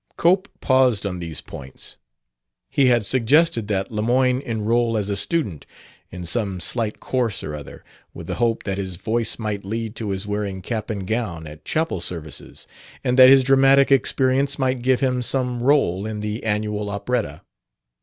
Cope paused on these points. He had suggested that Lemoyne enroll as a student in some slight course or other, with the hope that his voice might lead to his wearing cap and gown at chapel services and that his dramatic experience might give him some role in the annual operetta.